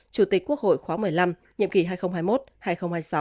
chủ tịch quốc hội khóa một mươi năm nhiệm kỳ hai nghìn hai mươi một hai nghìn hai mươi sáu